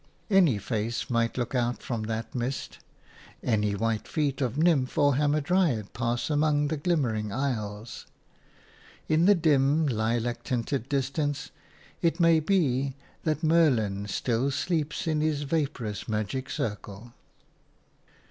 Any face might look out from that mist, any white feet of nymph or hamadryad pass among the glimmering aisles; in the dim, lilac tinted distance it may be that Merlin still sleeps in his vaporous magic circle.